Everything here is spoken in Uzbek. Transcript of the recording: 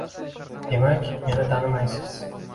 Demak, meni tanimaysiz